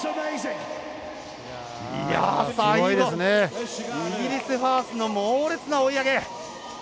最後、イギリスのファースの猛烈な追い上げ。